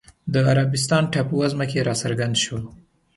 د عربستان ټاپووزمه کې راڅرګند شو